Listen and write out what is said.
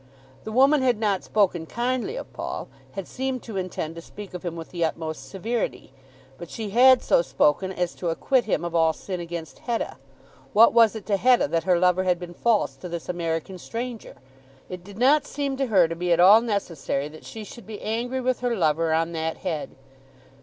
The woman had not spoken kindly of Paul, had seemed to intend to speak of him with the utmost severity; but she had so spoken as to acquit him of all sin against Hetta. What was it to Hetta that her lover had been false to this American stranger? It did not seem to her to be at all necessary that she should be angry with her lover on that head.